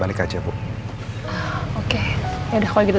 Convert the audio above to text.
baiklah acara telah selesai